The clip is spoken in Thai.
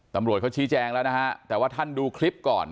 ตำรวจเขาชี้แจงแล้วนะฮะแต่ว่าท่านดูคลิปก่อน